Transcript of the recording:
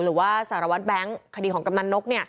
หรือว่าสารวัตรแบงค์คดีของกำนันนก